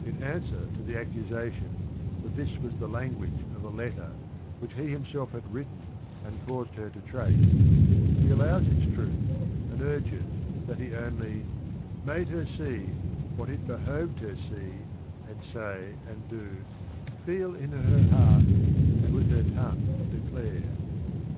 62 THE RING AND THE BOOK In answer to the accusation that this was the language of a letter which he himself had written and caused her to trace, he allows its truth and urges that he only "made her see What it behoved her see and say and do, Feel in her heart and with her tongue declare.